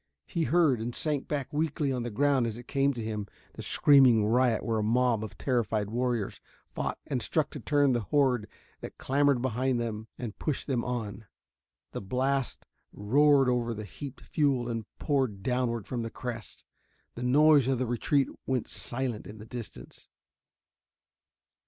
He heard, and sank back weakly on the ground as it came to him, the screaming riot where a mob of terrified warriors fought and struck to turn the horde that clamored behind them and pushed them on. The blast roared over the heaped fuel and poured downward from the crest. The noise of the retreat went silent in the distance.